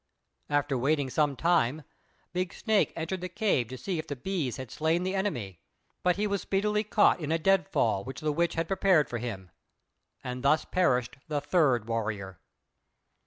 After waiting some time, Big Snake entered the cave to see if the bees had slain the enemy; but he was speedily caught in a dead fall which the Witch had prepared for him, and thus perished the third warrior.